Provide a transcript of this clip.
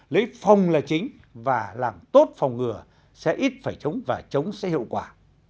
lấy phòng là chính và làm tốt phòng ngừa sẽ ít phải chống và chống sẽ hiệu quả